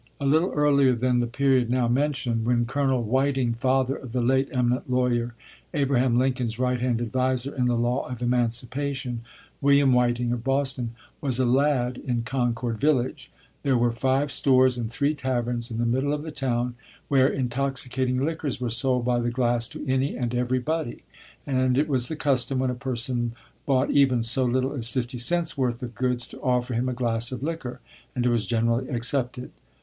A little earlier than the period now mentioned, when Colonel Whiting (father of the late eminent lawyer, Abraham Lincoln's right hand adviser in the law of emancipation, William Whiting, of Boston) was a lad in Concord village, "there were five stores and three taverns in the middle of the town, where intoxicating liquors were sold by the glass to any and every body; and it was the custom, when a person bought even so little as fifty cents' worth of goods, to offer him a glass of liquor, and it was generally accepted."